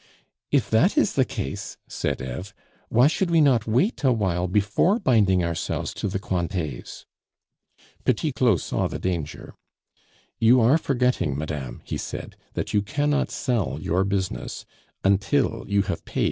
"If that is the case," said Eve, "why should we not wait awhile before binding ourselves to the Cointets?" Petit Claud saw the danger. "You are forgetting, madame," he said, "that you cannot sell your business until you have paid M.